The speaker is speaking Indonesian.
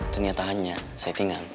ternyata hanya settingan